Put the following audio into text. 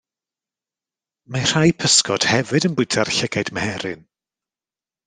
Mae rhai pysgod hefyd yn bwyta'r llygaid meheryn.